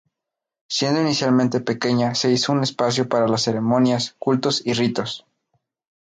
Siendo inicialmente pequeña, se hizo un espacio para las ceremonias, cultos y ritos.